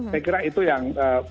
saya kira itu yang